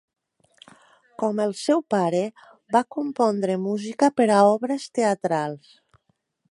Com el seu pare, va compondre música per a obres teatrals.